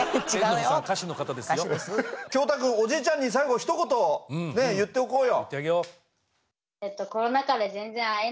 杏汰君おじいちゃんに最後ひと言ね言っておこうよ。